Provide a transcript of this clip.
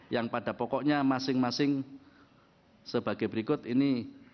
yang pada pokoknya masing masing sebagai berikut ini